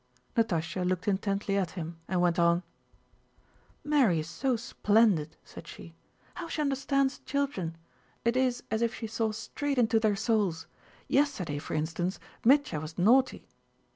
Natásha looked intently at him and went on: "Mary is so splendid," she said. "How she understands children! It is as if she saw straight into their souls. Yesterday, for instance, Mítya was naughty..."